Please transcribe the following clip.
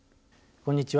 こんにちは。